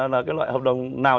là cái loại hợp đồng nào